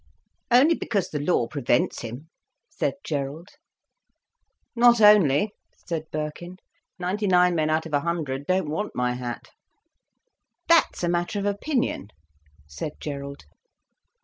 "Only because the law prevents him," said Gerald. "Not only," said Birkin. "Ninety nine men out of a hundred don't want my hat." "That's a matter of opinion," said Gerald.